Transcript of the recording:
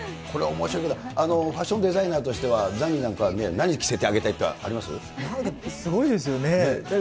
これはおもしろいけど、ファッションデザインとしては、ザニーなんかは何着せてあげたいってありすごいですよね。